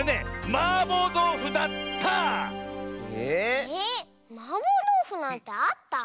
マーボーどうふなんてあった？